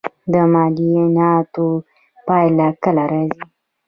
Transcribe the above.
د معایناتو پایله کله راځي؟